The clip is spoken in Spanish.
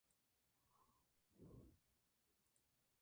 El ejemplar de "Giganotosaurus" más grande conocido.